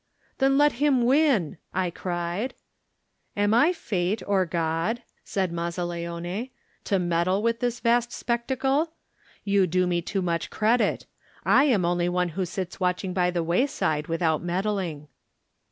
"Then let him win," I cried. "Am I fate or God," said Mazzaleone, "to meddle with this vast spectacle? You do me too much credit. I am only one who sits watching by the wayside without meddling."